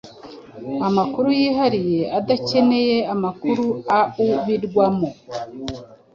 amakuru yihariye udakeneye amakuru aubirwamo